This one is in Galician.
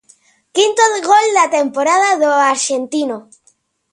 Quinto gol da temporada do arxentino.